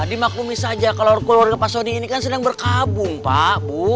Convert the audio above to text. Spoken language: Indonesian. dimaklumi saja kalau keluarga pak soni ini kan sedang berkabung pak